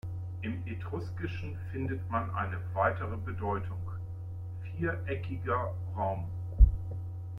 Im Etruskischen findet man eine weitere Bedeutung: "viereckiger Raum".